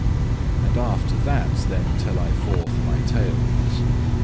And after that then tell I forth my tales.